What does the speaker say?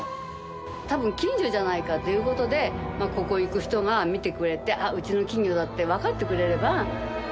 多分近所じゃないかという事でここを行く人が見てくれて「あっうちの金魚だ！」ってわかってくれれば。